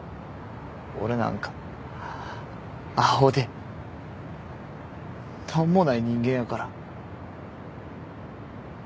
俺なんかアホで何もない人間やから。